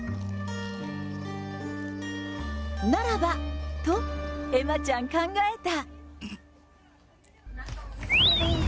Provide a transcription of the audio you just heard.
ならば、と、えまちゃん、考えた。